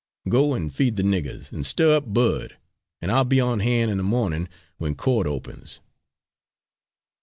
Go on and feed the niggers, an' stir up Bud, and I'll be on hand in the mornin' when court opens."